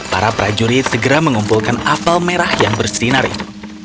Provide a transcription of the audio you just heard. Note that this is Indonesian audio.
para prajurit segera mengumpulkan apel merah yang bersinarin